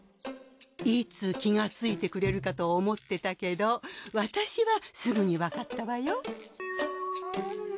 いつ気がついてくれるかと思ってたけど私はすぐにわかったわよ。